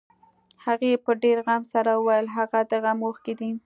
هغې په ډېر غم سره وويل هغه د غم اوښکې دي.